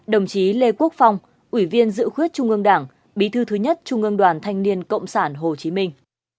ba mươi chín đồng chí lê quốc phong ủy viên dự khuyết trung ương đảng bí thư thứ nhất trung ương đoàn thanh niên cộng sản hồ chí minh